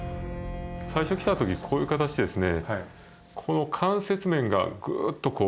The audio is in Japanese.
最初来たときこういう形でですね